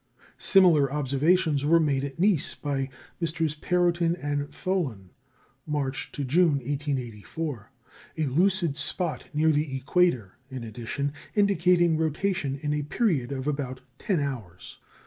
Similar observations were made at Nice by MM. Perrotin and Thollon, March to June, 1884, a lucid spot near the equator, in addition, indicating rotation in a period of about ten hours.